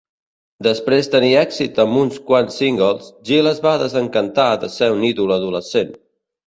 Després tenir èxit amb uns quants singles, Gil es va desencantar de ser un ídol adolescent.